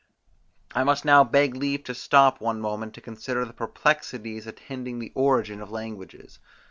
I must now beg leave to stop one moment to consider the perplexities attending the origin of languages.